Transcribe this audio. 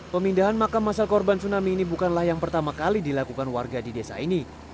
pemindahan makam masal korban tsunami ini bukanlah yang pertama kali dilakukan warga di desa ini